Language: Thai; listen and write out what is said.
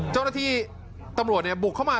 เจ้าหน้าที่ตำรวจบุกเข้ามา